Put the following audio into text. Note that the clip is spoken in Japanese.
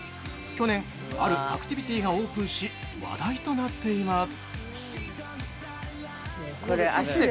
去年、あるアクティビティーがオープンし、話題となっています。